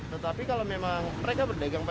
tetapi kalau memang mereka berdagang pada